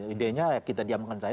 ide nya kita diamkan saja